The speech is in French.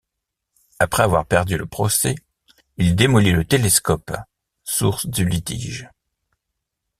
Après avoir perdu le procès, il démolit le télescope source du litige.